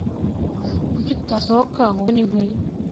Kuki utasohoka ngo ubone inkwi